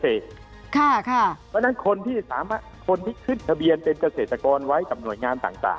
เพราะฉะนั้นคนที่ขึ้นทะเบียนเป็นเกษตรกรไว้กับหน่วยงานต่าง